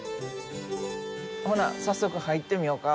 ほな早速入ってみよか。